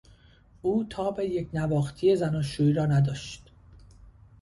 او تاب یکنواختی زناشویی را نداشت.